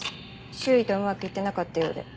周囲とうまくいってなかったようで。